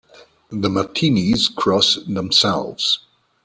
The Martinis cross themselves.